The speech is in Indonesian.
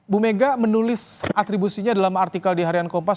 bu mega menulis atribusinya dalam artikel di harian kompas